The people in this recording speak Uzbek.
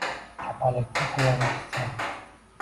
kapalakka xiyonatisan.